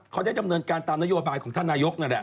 เขาได้ดำเนินการตามนโยบายของท่านนายกนั่นแหละ